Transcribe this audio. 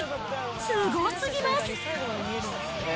すごすぎます。